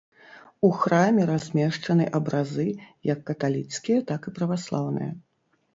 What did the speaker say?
У храме размешчаны абразы як каталіцкія, так і праваслаўныя.